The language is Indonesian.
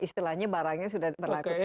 istilahnya barangnya sudah berlaku